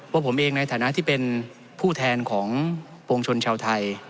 ผมเองในฐานะที่เป็นผู้แทนของปวงชนชาวไทย